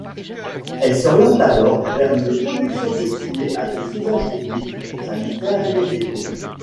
Elle s'oriente alors vers une production destinée à des usages techniques, sanitaires et médicaux.